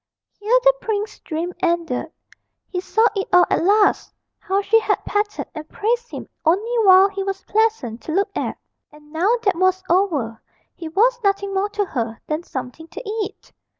Here the prince's dream ended: he saw it all at last how she had petted and praised him only while he was pleasant to look at; and now that was over he was nothing more to her than something to eat.